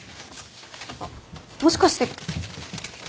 あっもしかして。